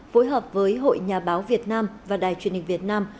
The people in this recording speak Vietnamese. phối hợp với hội nhà báo việt nam và đài truyền hình việt nam